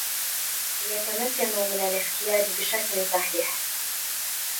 ليتمكنوا من الاختيار بشكل صحيح